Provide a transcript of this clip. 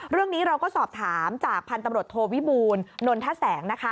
เรื่องนี้เราก็สอบถามจากพันธบรรดโทวิบูลนนทะแสง